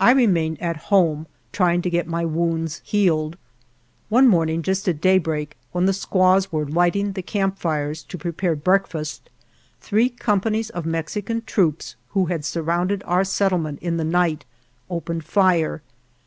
I remained at home try ing to get my wounds healed. One morning just at daybreak, when the squaws were lighting the camp fires to prepare breakfast, three companies of Mexican troops who had surrounded our settlement in the night opened fire.